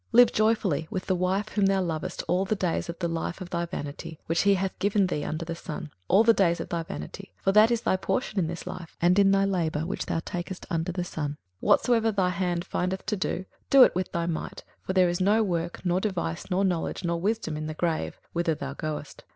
21:009:009 Live joyfully with the wife whom thou lovest all the days of the life of thy vanity, which he hath given thee under the sun, all the days of thy vanity: for that is thy portion in this life, and in thy labour which thou takest under the sun. 21:009:010 Whatsoever thy hand findeth to do, do it with thy might; for there is no work, nor device, nor knowledge, nor wisdom, in the grave, whither thou goest.